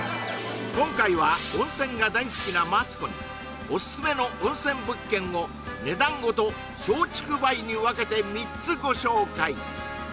今回は温泉が大好きなマツコにオススメの温泉物件を値段ごと松竹梅に分けて３つご紹介！